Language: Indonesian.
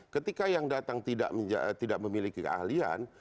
ketika yang datang tidak memiliki keahlian